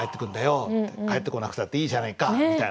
帰ってこなくたっていいじゃないか」みたいな